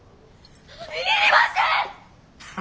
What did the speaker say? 要りません！